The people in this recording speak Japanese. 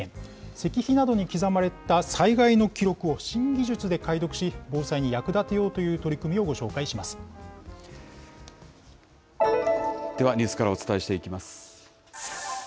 石碑などに刻まれた災害の記録を新技術で解読し、防災に役立てよでは、ニュースからお伝えしていきます。